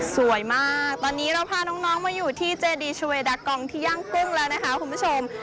สวยมากตอนนี้เราพาน้องมาอยู่ที่เจดีชาเวดากองที่ย่างกุ้งแล้วนะคะคุณผู้ชม